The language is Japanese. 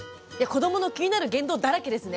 子どもの気になる言動だらけですね。